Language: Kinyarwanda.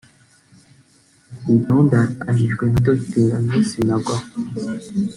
Iyi gahunda yatangijwe na Dr Agnes Binagwaho